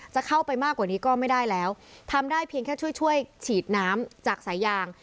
จะเข้าไปมากกว่านี้ก็ไม่ได้แล้วทำได้เพียงแค่ช่วยช่วยฉีดน้ำจากสายยาง